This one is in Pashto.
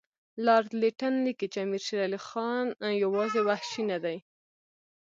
لارډ لیټن لیکي چې امیر شېر علي یوازې وحشي نه دی.